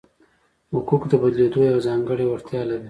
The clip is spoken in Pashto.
حقوق د بدلېدو یوه ځانګړې وړتیا لري.